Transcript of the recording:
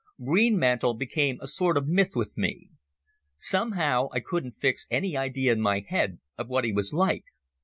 Greenmantle became a sort of myth with me. Somehow I couldn't fix any idea in my head of what he was like.